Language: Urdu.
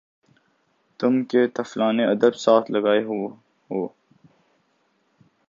تُم کہ طفلانِ ادب ساتھ لگائے ہُوئے ہو